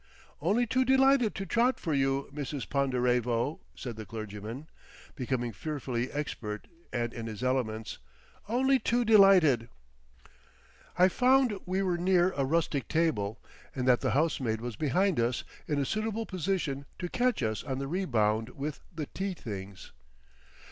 "Only too delighted to trot for you, Mrs. Ponderevo," said the clergyman, becoming fearfully expert and in his elements; "only too delighted." I found we were near a rustic table, and that the housemaid was behind us in a suitable position to catch us on the rebound with the tea things.